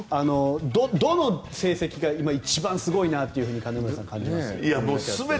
どの成績が今一番すごいなと感じますか？